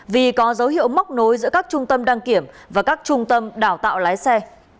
vì có dấu hiệu móc nối giữa các trung tâm đăng kiểm và các trung tâm đào tạo lái xe